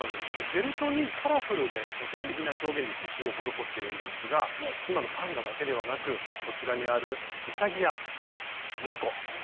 フェルトにカラフルで個性的な表現で刺しゅうを施しているんですが今のパンダだけではなくこちらにあるうさぎや猫。